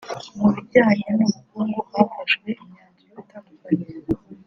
Mu bijyanye n’ubukungu hafashwe imyanzuro itandukanye